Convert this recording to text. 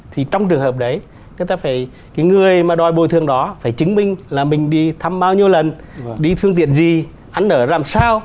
thì trong trường hợp đấy người mà đòi bồi thường đó phải chứng minh là mình đi thăm bao nhiêu lần đi thương tiện gì ảnh ở làm sao